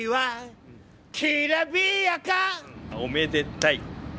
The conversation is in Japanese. おめでたい。